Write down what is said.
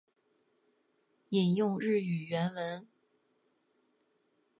引用日语原文